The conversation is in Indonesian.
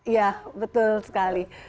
ya betul sekali